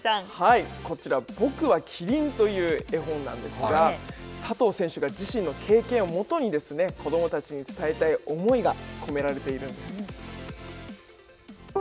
こちら、ぼくはキリンという絵本なんですが佐藤選手が自身の経験を基に子どもたちに伝えたい思いが込められているんです。